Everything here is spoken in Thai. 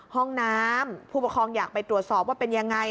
ห้องน้ำผู้ปกครองอยากไปตรวจสอบว่าเป็นยังไง